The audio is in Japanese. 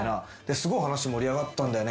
「すごい話盛り上がったんだよね」